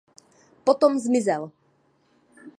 Potom zmizel.